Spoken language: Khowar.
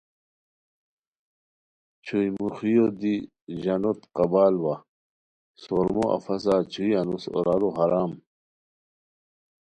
چھوئی موخیو دی ژانوت قبال وا سورومو افسہ چھوئی انوس اورارو حرام